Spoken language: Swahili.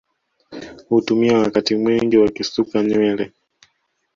Hutumia wakati mwingi wakisuka nywele